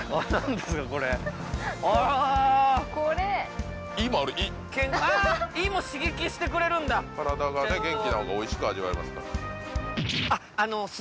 体がね元気な方がおいしく味わえますからあのウソ！